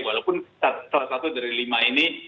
walaupun salah satu dari lima ini